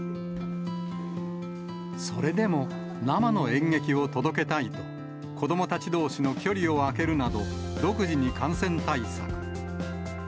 それでも、生の演劇を届けたいと、子どもたちどうしの距離を空けるなど、独自に感染対策。